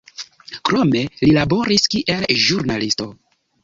Krome li laboris kiel ĵurnalisto.